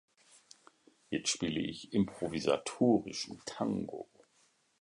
Jetzt spiele ich improvisatorischen Tango.